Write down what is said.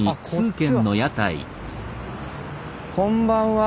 こんばんは。